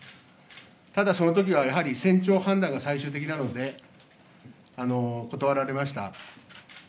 ただ、そのときはやはり、船長判断が最終的なので、断られました。